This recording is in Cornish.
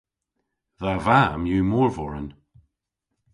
Dha vamm yw morvoren.